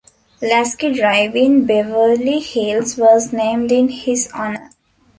Lasky Drive in Beverly Hills was named in his honor.